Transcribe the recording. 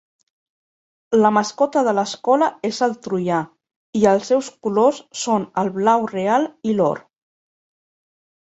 La mascota de l'escola és el troià, i els seus colors són el blau real i l'or.